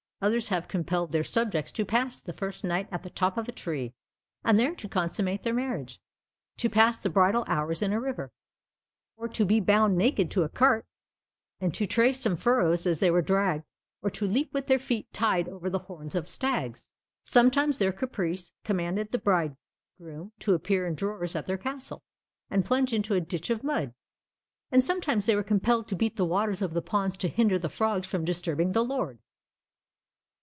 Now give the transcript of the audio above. Others have compelled their subjects to pass the first night at the top of a tree, and there to consummate their marriage; to pass the bridal hours in a river; or to be bound naked to a cart, and to trace some furrows as they were dragged; or to leap with their feet tied over the horns of stags. Sometimes their caprice commanded the bridegroom to appear in drawers at their castle, and plunge into a ditch of mud; and sometimes they were compelled to beat the waters of the ponds to hinder the frogs from disturbing the lord!